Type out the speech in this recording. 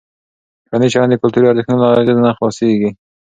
ټولنیز چلند د کلتوري ارزښتونو له اغېزه نه خلاصېږي.